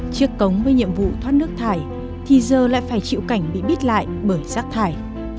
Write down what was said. chiếc cống với nhiệm vụ thoát nước thải thì giờ lại phải chịu cảnh bị bít lại bởi rác thải